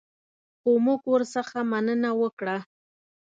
خو موږ ورڅخه مننه وکړه.